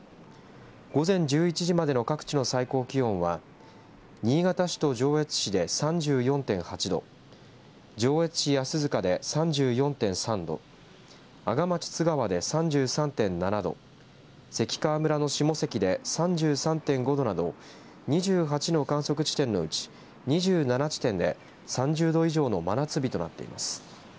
午前１１時までの各地の最高気温は新潟市と上越市で３４．８度上越市安塚で３４．３度阿賀町津川で３３．７度関川村の下関で３３．５度など２８の観測地点のうち２７地点で３０度以上の真夏日となっています。